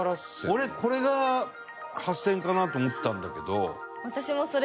俺これが８０００円かなと思ったんだけど。